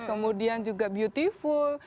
kemudian juga beautiful